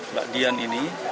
mbak dian ini